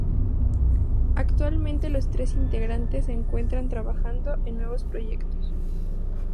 Actualmente, los tres integrantes se encuentran trabajando en nuevos proyectos.